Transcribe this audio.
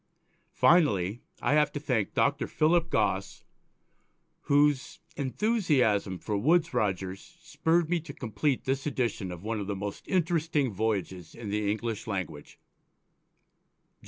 Finally I have to thank Dr. Philip Gosse, whose enthusiasm for Woodes Rogers spurred me to complete this edition of one of the most interesting voyages in the English language.